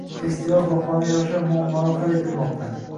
Festival bahona yoshlar muammolari hal etilmoqda